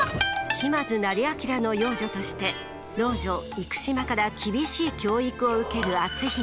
島津斉彬の養女として老女幾島から厳しい教育を受ける篤姫。